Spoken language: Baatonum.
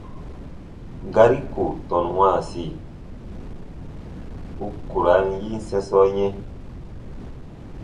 Gari ku tɔnu wãasi, u ku ra n yin sɛ̃sɔ yɛ̃.